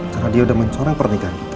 karena dia udah mencorang pernikahan kita